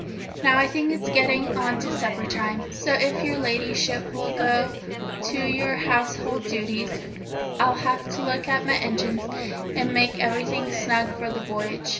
Now, I think it's getting on to supper time, so if your Ladyship will go to your household duties, I'll have a look at my engines and make everything snug for the voyage."